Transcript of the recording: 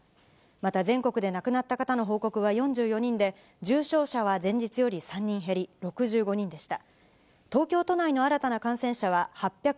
また、全国で亡くなった方の報告は４４人で、重症者は前日より３人減り６５人でした。